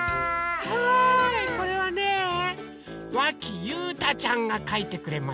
はいこれはねわきゆうたちゃんがかいてくれました。